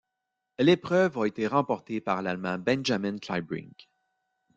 L'épreuve a été remportée par l'Allemand Benjamin Kleibrink.